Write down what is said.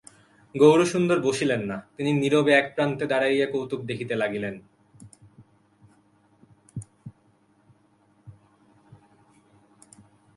গৌরসুন্দর বসিলেন না, তিনি নীরবে এক প্রান্তে দাঁড়াইয়া কৌতুক দেখিতে লাগিলেন।